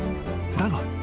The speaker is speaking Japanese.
だが］